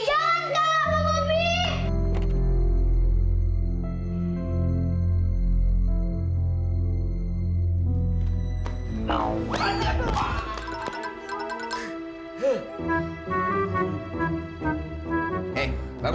jangan kak aku mau